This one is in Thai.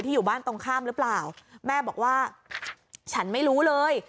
อยู่บ้านตรงข้ามหรือเปล่าแม่บอกว่าฉันไม่รู้เลย